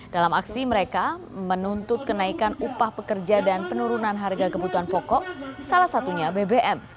dalam aksi mereka menuntut kenaikan upah pekerja dan penurunan harga kebutuhan pokok salah satunya bbm